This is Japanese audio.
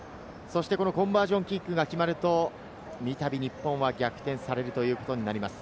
コンバージョンキックが決まると、三度、日本は逆転されるということになります。